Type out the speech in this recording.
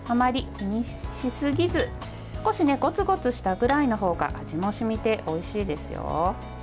気にしすぎず少しごつごつしたぐらいのほうが味も染みて、おいしいですよ。